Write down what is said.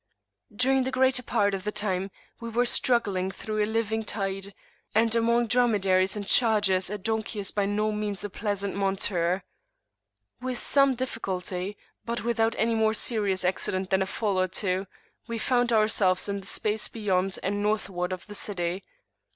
During the greater part of the time we were struggling through a living tide; and among dromedaries and chargers a donkey is by no means a pleasant monture. With some difficulty, but without any more serious accident than a fall or two, we found ourselves in the space beyond and northward of the city.